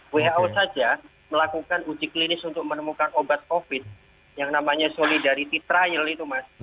who saja melakukan uji klinis untuk menemukan obat covid yang namanya solidarity trial itu mas